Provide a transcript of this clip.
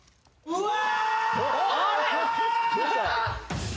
うわ！